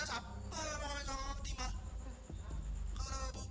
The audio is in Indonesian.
apakah lebih baik kalau